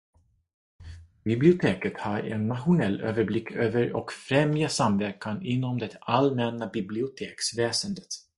Biblioteket ha en nationell överblick över och främja samverkan inom det allmänna biblioteksväsendet.